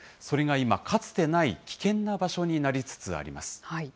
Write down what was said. それが今、かつてない危険な場所になりつつあります。